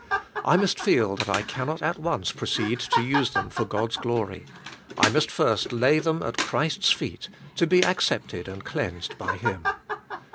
I must feel that I cannot at once proceed to use them for God's glory. I must first lay them at Christ's feet, to be accepted and cleansed by Him.